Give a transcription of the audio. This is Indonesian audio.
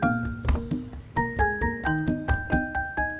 surti bikin adonan kue pastel